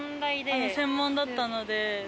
専門だったので。